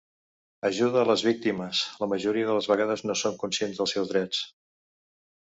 Ajuda a les víctimes la majoria de les vegades no són conscient dels seus drets.